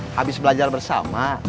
habis belajar bersama